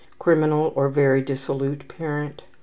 6 Criminal or very dissolute parent